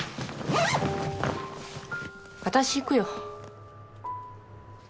私行くよ。